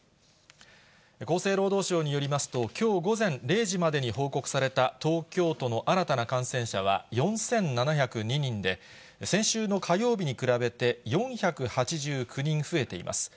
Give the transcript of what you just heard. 厚生労働省によりますと、きょう午前０時までに報告された東京都の新たな感染者は４７０２人で、先週の火曜日に比べて４８９人増えています。